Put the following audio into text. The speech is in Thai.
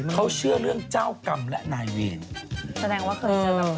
เขาเชื่อเรื่องเจ้ากรรมและนายเวรแสดงว่าเคยเจอกับเธอ